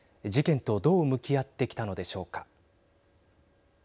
事件とどう向き合ってきたのでしょうか。